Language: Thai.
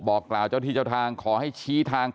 กล่าวเจ้าที่เจ้าทางขอให้ชี้ทาง